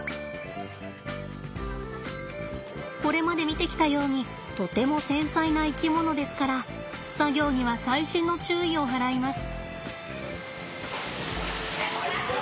これまで見てきたようにとても繊細な生き物ですから作業には細心の注意を払います。